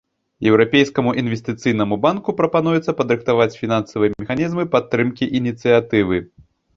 Еўрапейскаму інвестыцыйнаму банку прапануецца падрыхтаваць фінансавыя механізмы падтрымкі ініцыятывы.